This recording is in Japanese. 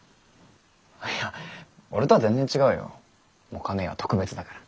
いや俺とは全然違うよ。もか姉は特別だから。